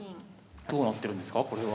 どうなってるんですかこれは。